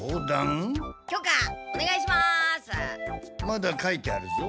まだ書いてあるぞ。